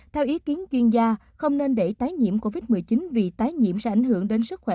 theo ý kiến chuyên gia không nên để tái nhiễm covid một mươi chín vì tái nhiễm sẽ ảnh hưởng đến sức khỏe